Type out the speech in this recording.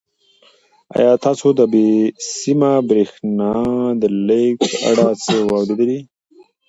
آیا تاسو د بې سیمه بریښنا د لېږد په اړه څه اورېدلي؟